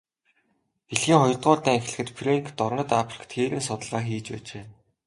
Дэлхийн хоёрдугаар дайн эхлэхэд Фрэнк дорнод Африкт хээрийн судалгаа хийж байжээ.